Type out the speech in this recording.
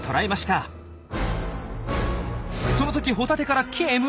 その時ホタテから煙？